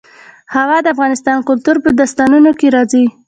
هوا د افغان کلتور په داستانونو کې راځي.